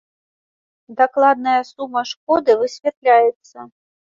Дакладная сума шкоды высвятляецца.